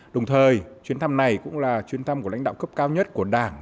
đồng thời chuyến thăm này cũng là chuyến thăm của lãnh đạo cấp cao nhất của đảng